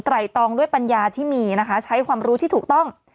ตองด้วยปัญญาที่มีนะคะใช้ความรู้ที่ถูกต้อง